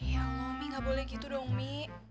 ya lo mi gak boleh gitu dong mi